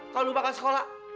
kalau lu bakal sekolah